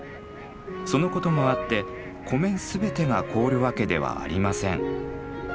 そのこともあって湖面全てが凍るわけではありません。